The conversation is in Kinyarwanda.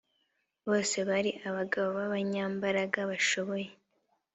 bose bari abagabo b abanyambaraga bashoboye